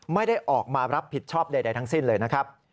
ไม่ได้ออกมารับผิดชอบใดทั้งสิ้นเลยนะครับ